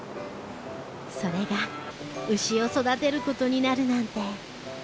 それが牛を育てることになるなんて。